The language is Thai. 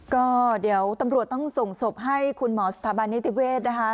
ก็เดี๋ยวตำรวจต้องส่งศพให้คุณหมอสถาบันนิติเวศนะคะ